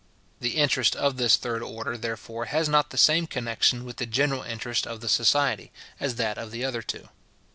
The interest of this third order, therefore, has not the same connexion with the general interest of the society, as that of the other two.